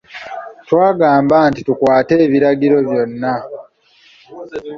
Twagamba nti tukwate ebiragiro byonna.